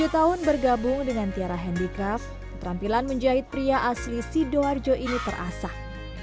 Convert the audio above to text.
tujuh tahun bergabung dengan tiara handicraft keterampilan menjahit pria asli sidoarjo ini terasak